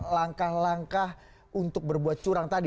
langkah langkah untuk berbuat curang tadi